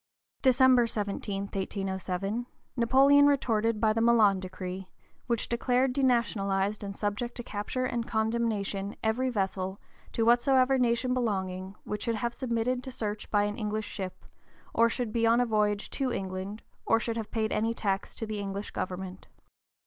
December 17, 1807, Napoleon retorted by the Milan decree, which declared denationalized and subject to capture and condemnation every vessel, to whatsoever nation belonging, which should have submitted to search by an English ship, or should be on a voyage to England, or should have paid any tax to the English government.